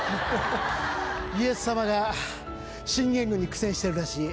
家康様が信玄軍に苦戦してるらしい。